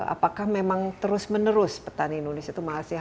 apakah memang terus menerus petani indonesia itu masih harus